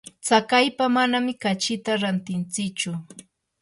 tsakaypa manami kachita rantintsichu.